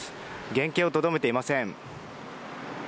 原形をとどめていません。